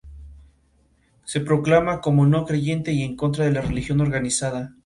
No hacen el típico ruido de los gatos pero hacen otros muchos.